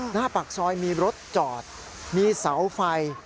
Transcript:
หน้าปากซอยมีรถจอดมีเสาไฟ